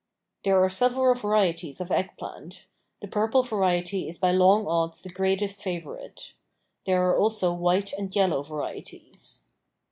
There are several varieties of Egg plant. The purple variety is by long odds the greatest favorite. There are also white and yellow varieties.